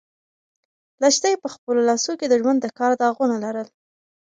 لښتې په خپلو لاسو کې د ژوند د کار داغونه لرل.